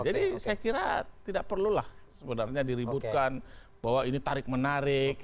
jadi saya kira tidak perlulah sebenarnya diributkan bahwa ini tarik menarik